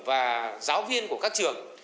và giáo viên của các trường